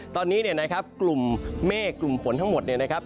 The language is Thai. ตอนนี้เนี่ยนะครับกลุ่มเมฆกลุ่มฝนทั้งหมดเนี่ยนะครับ